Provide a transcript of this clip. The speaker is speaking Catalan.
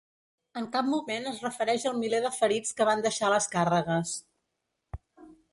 En cap moment es refereix al miler de ferits que van deixar les càrregues.